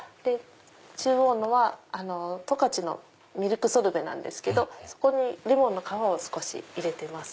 中央のは十勝のミルクソルベなんですけどそこにレモンの皮を少し入れてます。